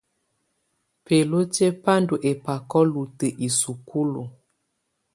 Bǝ́lutiǝ́ bá ndɔ́ ɛ́bákɔ lutǝ́ isúkulu.